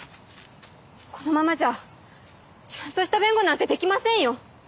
このままじゃちゃんとした弁護なんてできませんよ。